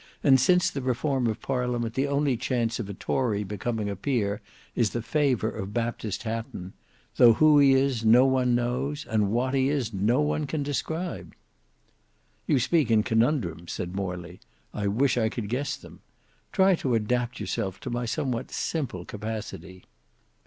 "And since the reform of parliament the only chance of a tory becoming a peer is the favour of Baptist Hatton; though who he is no one knows, and what he is no one can describe." "You speak in conundrums," said Morley; "I wish I could guess them. Try to adapt yourself to my somewhat simple capacity."